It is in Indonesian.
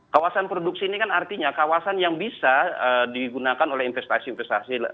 kawasan produksi ini kan artinya kawasan yang bisa digunakan oleh investasi investasi